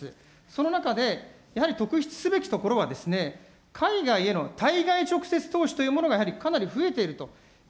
その中で、やはり特筆すべきところは、海外への対外直接投資というものがやはりかなり増えていると。